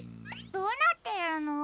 どうなってるの？